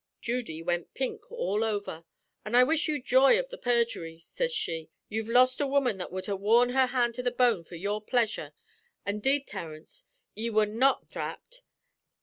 "Judy wint pink all over. 'An' I wish you joy av the perjury,' sez she. 'You've lost a woman that would ha' wore her hand to the bone for your pleasure; an' 'deed, Terence, ye were not thrapped.'